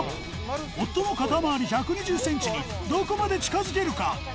夫の肩回り１２０ｃｍにどこまで近づけるか？